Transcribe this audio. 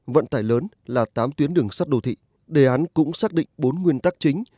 vận tải lớn là tám tuyến đường sắt đô thị đề án cũng xác định bốn nguyên tắc chính